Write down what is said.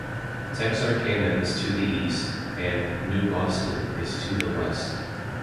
Texarkana is to the east, and New Boston is to the west.